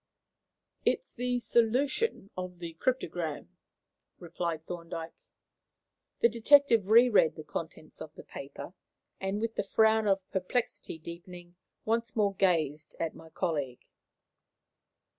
"It is the solution of the cryptogram," replied Thorndyke. The detective re read the contents of the paper, and, with the frown of perplexity deepening, once more gazed at my colleague.